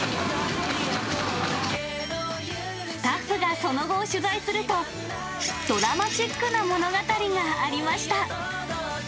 スタッフがその後を取材すると、ドラマチックな物語がありました。